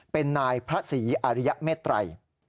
เป็นนายพระศรีอริยเมตรัย